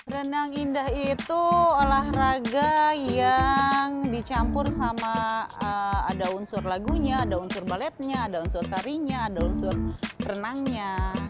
renang indah itu olahraga yang dicampur sama ada unsur lagunya ada unsur baletnya ada unsur tarinya ada unsur renangnya